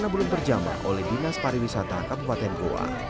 pun terjamak oleh dinas pariwisata kabupaten goa